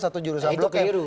satu jurusan blokir